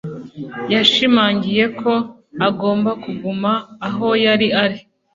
Yashimangiye ko agomba kuguma aho yari ari